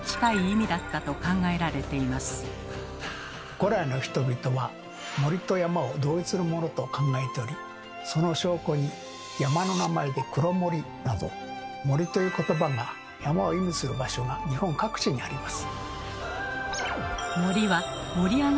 古来の人々は森と山を同一のものと考えておりその証拠に山の名前で「黒森」など「森」ということばが山を意味する場所が日本各地にあります。